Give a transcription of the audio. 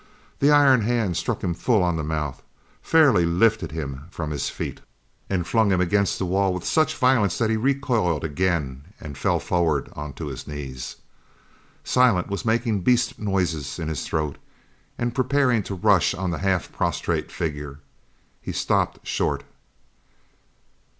The iron hard hand struck him full on the mouth, fairly lifted him from his feet, and flung him against the wall with such violence that he recoiled again and fell forward onto his knees. Silent was making beast noises in his throat and preparing to rush on the half prostrate figure. He stopped short.